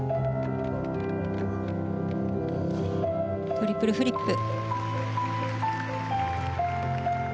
トリプルフリップ。